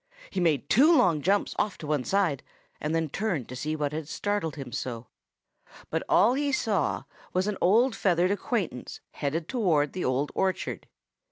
He made two long jumps off to one side and then turned to see what had startled him so. But all he saw was an old feathered acquaintance headed towards the Old Orchard.